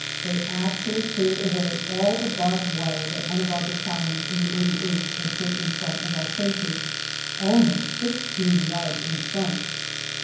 They actually cleared away all the barbed wire that one of our battalions in the 88th had put in front of our trenches, only fifteen yards in front.